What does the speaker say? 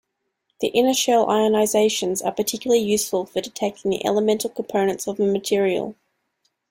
The inner-shell ionizations are particularly useful for detecting the elemental components of a material.